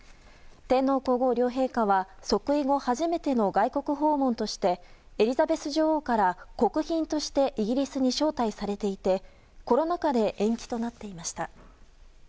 天皇・皇后両陛下は即位後初めての外国訪問としてエリザベス女王から国賓としてイギリスに招待されていてコロナ禍で延期となっていました。